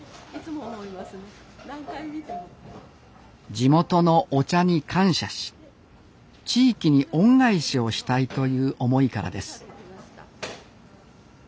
地元のお茶に感謝し地域に恩返しをしたいという思いからです